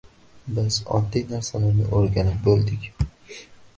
Biz oddiy narsalarni o’rganib bo’ldik.